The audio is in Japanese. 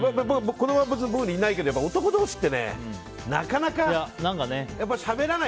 子供は別にいないけど男同士って、なかなかやっぱしゃべらない。